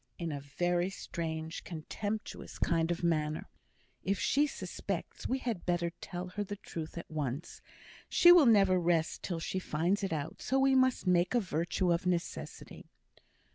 in a very strange, contemptuous kind of manner." "If she suspects, we had far better tell her the truth at once. She will never rest till she finds it out, so we must make a virtue of necessity."